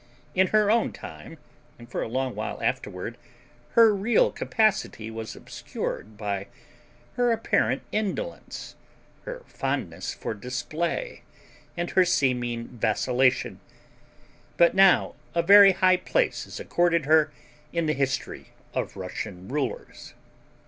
In her own time, and for a long while afterward, her real capacity was obscured by her apparent indolence, her fondness for display, and her seeming vacillation; but now a very high place is accorded her in the history of Russian rulers.